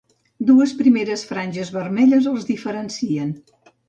Dues primes franges vermelles els diferencien.